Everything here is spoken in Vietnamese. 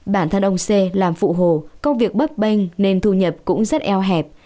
bản thân ông xê làm phụ hồ công việc bấp bênh nên thu nhập cũng rất eo hẹp